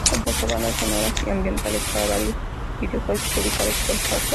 Ha compuesto bandas sonoras y ambientales para varios videojuegos publicados por Konami.